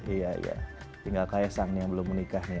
iya iya tinggal kayesang yang belum menikah nih